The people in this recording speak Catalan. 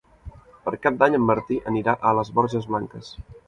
Per Cap d'Any en Martí anirà a les Borges Blanques.